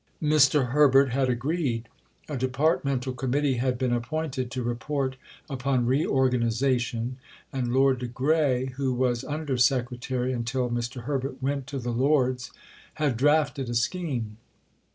Mr. Herbert had agreed. A departmental committee had been appointed to report upon reorganization, and Lord de Grey (who was Under Secretary until Mr. Herbert went to the Lords) had drafted a scheme.